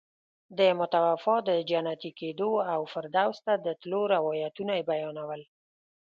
د متوفي د جنتي کېدو او فردوس ته د تلو روایتونه یې بیانول.